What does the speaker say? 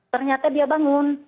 ternyata dia bangun